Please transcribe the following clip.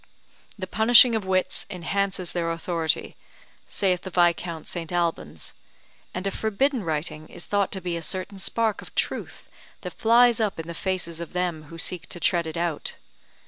The punishing of wits enhances their authority, saith the Viscount St. Albans; and a forbidden writing is thought to be a certain spark of truth that flies up in the faces of them who seek to tread it out.